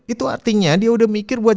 itu artinya dia udah mikir buat